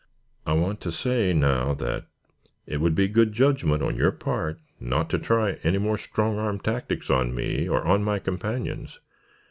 "I want to say, now, that it would be good judgment on your part not to try any more strong arm tactics on me or on my companions.